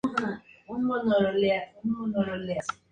Lupe es encerrada y golpeada.